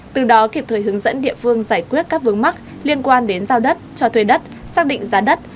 từ đó kịp thời hướng dẫn địa phương giải quyết các vướng mắc liên quan đến giao đất cho thuê đất xác định giá đất